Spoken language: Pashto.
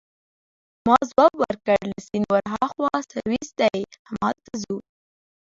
ما ځواب ورکړ: له سیند ورهاخوا سویس دی، همالته ځو.